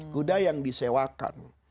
kuda yang disewakan